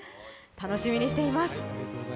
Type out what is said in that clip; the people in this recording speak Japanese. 楽しみにしています。